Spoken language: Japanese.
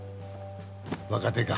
若手か。